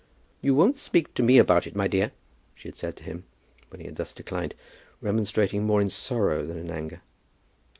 "You won't speak to me about it, my dear?" she had said to him, when he had thus declined, remonstrating more in sorrow than in anger.